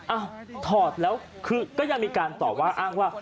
อดถอดแล้วคือก็ยังมีการตอบว่าอ้างว่า